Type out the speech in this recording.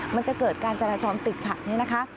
มันจะเกิดการจราจรติดขัดนี่นะคะ